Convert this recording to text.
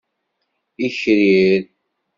Ikrir.